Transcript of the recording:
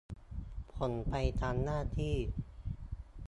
ผมไปทำหน้าที่